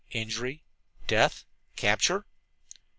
Injury? Death? Capture?